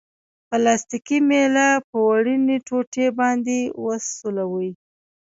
پلاستیکي میله په وړیني ټوټې باندې وسولوئ.